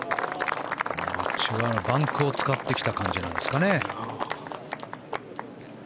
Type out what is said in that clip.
バンクを使ってきた感じですかね。